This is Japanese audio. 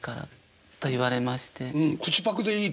うん口パクでいいと。